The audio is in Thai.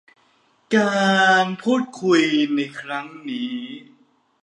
การพูดคุยครั้งนี้